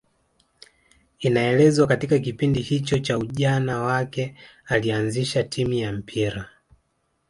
Inaelezwa katika kipindi hicho cha ujana wake alianzisha timu ya mpira